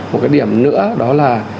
một cái điểm nữa đó là